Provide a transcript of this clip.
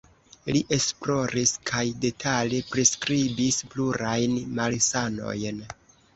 Li esploris kaj detale priskribis plurajn malsanojn.